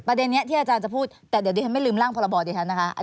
ประเด็นนี้ที่อาจารย์จะพูดแต่เดี๋ยวดิฉันไม่ลืมร่างพระบอดเดี๋ยวฉันนะคะ